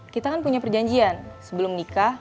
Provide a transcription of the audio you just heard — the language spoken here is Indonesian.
kita kan punya perjanjian sebelum nikah